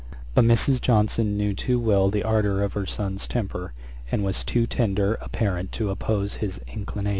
But Mrs. Johnson knew too well the ardour of her son's temper, and was too tender a parent to oppose his inclinations.